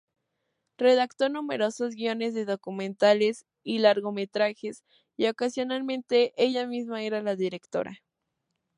Redactó numerosos guiones de documentales y largometrajes y ocasionalmente ella misma era la directora.